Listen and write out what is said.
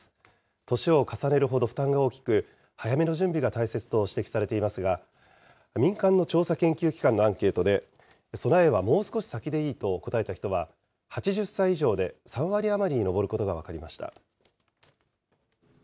年を重ねるほど負担が大きく、早めの準備が大切と指摘されていますが、民間の調査研究機関のアンケートで、備えはもう少し先でいいと答えた人は８０歳以上で３割余りに上ることが分かりました。